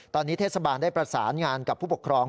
ตอนนี้เทศบาลได้ประสานงานกับผู้ปกครอง